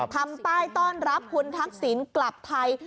ทำป้ายต้อนรับคุณทักษิณกลับไทย